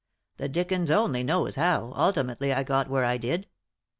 The dickens only knows how, ultimately, I got where I did.